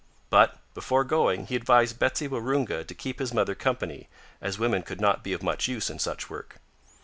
But, before going, he advised Betsy Waroonga to keep his mother company, as women could not be of much use in such work.